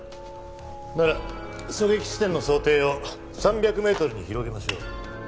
なら狙撃地点の想定を３００メートルに広げましょう。